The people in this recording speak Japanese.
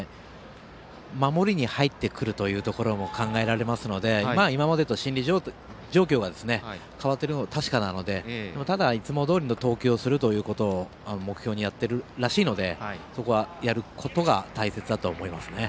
守りに入ってくるというところも考えられますので今までと、心理状況が変わってくるのは確かなのでただ、いつもどおりの投球をすることを目標にやっているらしいのでそこは、やることが大切だと思いますね。